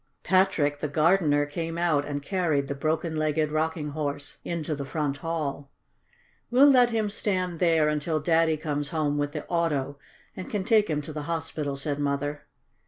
Patrick, the gardener, came out and carried the broken legged Rocking Horse into the front hall. "We'll let him stand there until Daddy comes home with the auto and can take him to the hospital," said Mother.